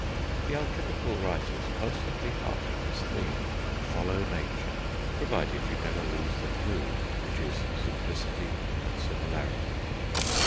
The alchemical writers constantly harp on this theme: follow nature; provided you never lose the clue, which is simplicity and similarity.